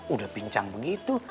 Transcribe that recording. udah bincang begitu